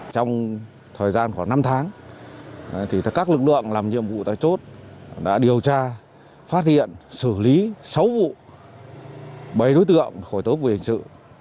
trong thời gian khoảng năm tháng các lực lượng làm nhiệm vụ tại chốt đã điều tra phát hiện xử lý sáu vụ bảy đối tượng khởi tố vụ hình sự